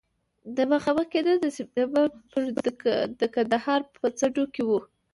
دا مخامخ کېدل د سپټمبر پر د کندهار په څنډو کې وو.